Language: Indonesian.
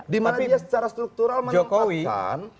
dimana dia secara struktural menempatkan